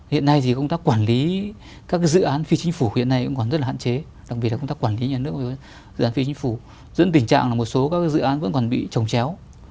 hiện nay thì công tác quản lý các dự án phi chính phủ hiện nay cũng còn rất là hạn chế đặc biệt là công tác quản lý nhà nước dự án phi chính phủ dẫn tình trạng là một số các dự án vẫn còn bị trồng chéo